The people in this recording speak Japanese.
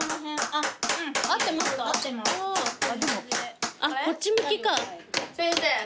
あっこっち向きか。